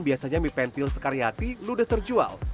biasanya mie pentil sekariati ludes terjual